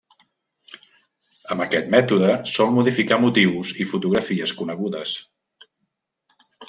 Amb aquest mètode sol modificar motius i fotografies conegudes.